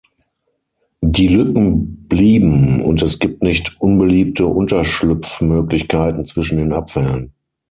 Die Lücken blieben und es gibt nicht unbeliebte Unterschlupfmöglichkeiten zwischen den Abfällen.